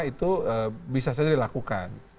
itu bisa sendiri dilakukan